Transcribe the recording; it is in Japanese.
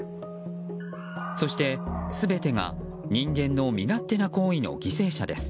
そして、全てが人間の身勝手な行為の犠牲者です。